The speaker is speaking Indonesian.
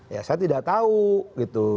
ya saya tidak tahu gitu